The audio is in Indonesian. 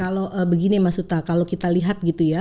kalau begini mas uta kalau kita lihat gitu ya